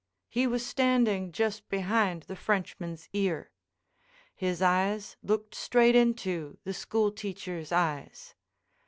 He was standing just behind the Frenchman's ear. His eyes looked straight into the school teacher's eyes.